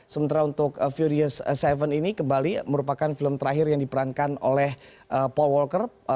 sementara untuk furious tujuh ini kembali merupakan film terakhir yang diperankan oleh paul walker